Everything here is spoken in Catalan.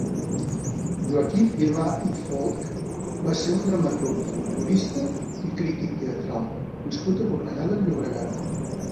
Joaquim Vilà i Folch va ser un dramaturg, folklorista i crític teatral nascut a Cornellà de Llobregat.